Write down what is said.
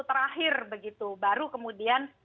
terakhir begitu baru kemudian